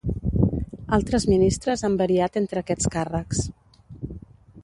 Altres ministres han variat entre aquests càrrecs.